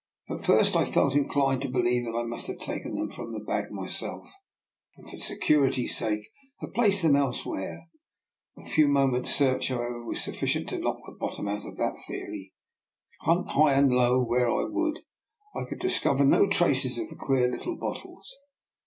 At first I felt inclined to believe that I must have taken them from the bag myself and for security's sake have placed them else where. A few moments' search, however. lo6 DR. NIKOLA'S EXPERIMENT. was sufficient to knock the bottom out of that theory. Hunt high and low, where I would, I could discover no traces of the queer little bottles.